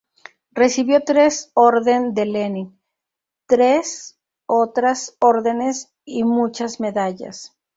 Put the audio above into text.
Recibió tres Orden de Lenin, tres otras órdenes y muchas medallas.